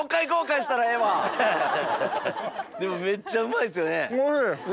でもめっちゃうまいっすよね？